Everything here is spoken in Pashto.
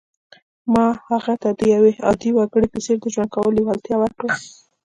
ما هغه ته د یوه عادي وګړي په څېر د ژوند کولو لېوالتیا ورکړه